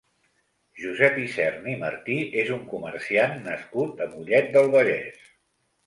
Josep Isern i Martí és un comerciant nascut a Mollet del Vallès.